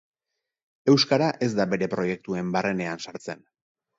Euskara ez da bere proiektuen barrenean sartzen.